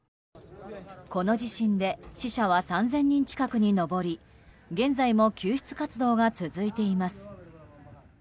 この地震で死者は３０００人近くに上り現在も救出活動が続いています。